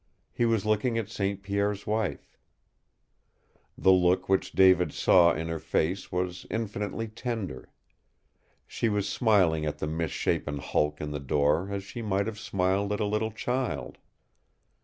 He was looking at St. Pierre's wife. The look which David saw in her face was infinitely tender. She was smiling at the misshapen hulk in the door as she might have smiled at a little child.